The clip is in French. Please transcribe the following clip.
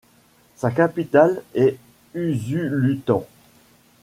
Sa capitale est Usulután.